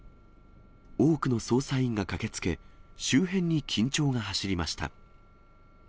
多くの捜査員が駆けつけ、周辺に緊張が走りました。